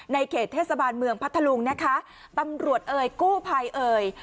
เขตเทศบาลเมืองพัทธลุงนะคะตำรวจเอ่ยกู้ภัยเอ่ย